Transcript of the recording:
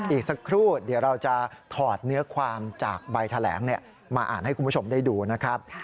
อีกสักครู่เดี๋ยวเราจะถอดเนื้อความจากใบแถลงมาอ่านให้คุณผู้ชมได้ดูนะครับ